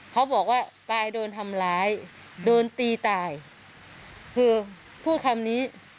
เขาบอกว่าปลายโดนทำร้ายโดนตีตายคือพูดคำนี้